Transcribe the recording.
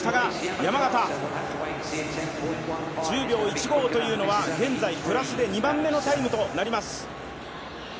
山縣、１０秒１５というのは現在プラスで２番目のタイムとなります。